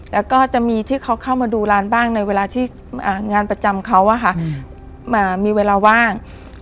แล้วก็จะมีที่เขาเข้ามาดูร้านบ้างในเวลาที่งานประจำเขามีเวลาว่าง